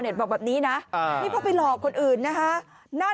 แม่ของแม่ชีอู๋ได้รู้ว่าแม่ของแม่ชีอู๋ได้รู้ว่า